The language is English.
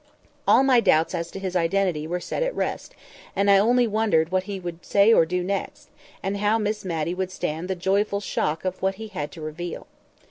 All my doubts as to his identity were set at rest, and I only wondered what he would say or do next, and how Miss Matty would stand the joyful shock of what he had to reveal.